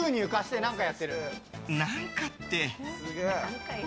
何かって。